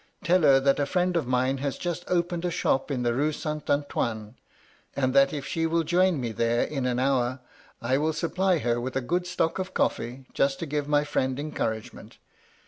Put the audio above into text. Tell her that a friend of mine has just opened a shop in the Rue Saint Antoine, and that if she will join me there in an hour, I will supply her with a good stock of coffee, just to give my friend encouragement.